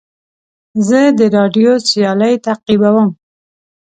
زه د راډیو سیالۍ تعقیبوم.